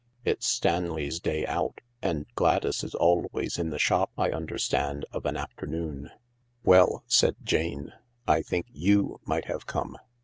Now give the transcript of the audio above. " It's Stanley's day out, and Gladys is always in the shop, I understand, of an afternoon/ " Well/' said Jane, " I think you might have come."